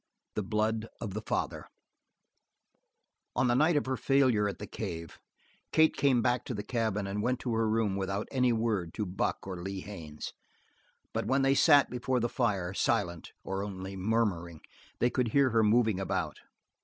The Blood Of The Father On the night of her failure at the cave, Kate came back to the cabin and went to her room without any word to Buck or Lee Haines, but when they sat before the fire, silent, or only murmuring, they could hear her moving about.